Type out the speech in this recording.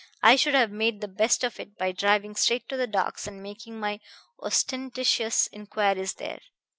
I should have made the best of it by driving straight to the docks and making my ostentatious inquiries there.